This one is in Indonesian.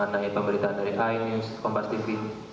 nah pemberitaan dari inews kompastv